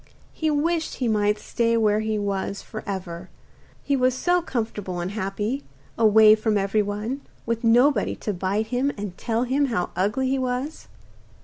He wished he might stay were he was for ever, he was so comfortable and happy, away from everyone, with nobody to bite him and tell him how ugly he was.